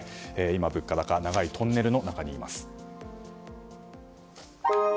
今、物価高長いトンネルの中にいます。